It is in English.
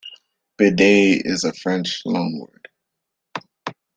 "Bidet" is a French loanword.